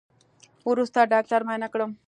وروسته ډاکتر معاينه کړم.